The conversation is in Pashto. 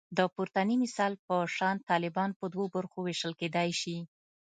د پورتني مثال په شان طالبان په دوو برخو ویشل کېدای شي